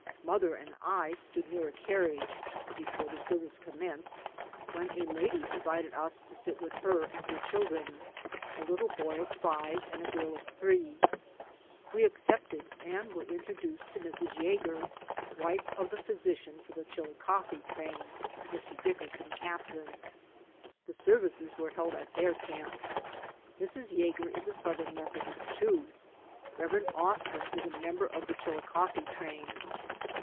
Mother and I stood near a carriage, before the serv ice commenced, when a lady invited us to sit with her and her children — a little boy of five and a girl of three. We accepted and were introduced to Mrs. Yager, wife of the physician for the Chilicothe train, Mr. Dick erson captain. The services were held at their camp. Mrs. Yager is a Southern Methodist, too. Rev. Austin is a member of the Chilicothe train.